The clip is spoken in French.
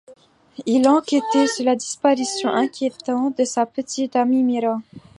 Il enquêtait sur la disparition inquiétante de sa petite amie, Mira.